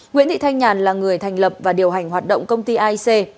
nguyễn thị thanh nhàn là người thành lập và điều hành hoạt động công ty aic